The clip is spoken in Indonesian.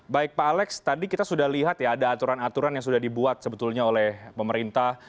baik pak alex tadi kita sudah lihat ya ada aturan aturan yang sudah dibuat sebetulnya oleh pemerintah